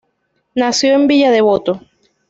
Nació en Villa Devoto.